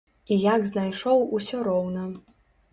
І як знайшоў усё роўна.